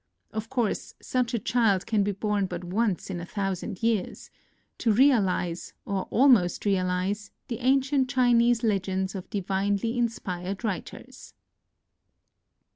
Of course such a child can be born but once in a thousand years, — to realize, or almost realize, the ancient Chinese legends of divinely inspired writers.